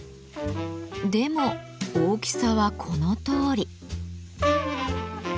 でも大きさはこのとおり。